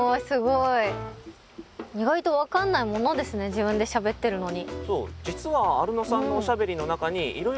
自分でしゃべってるのに。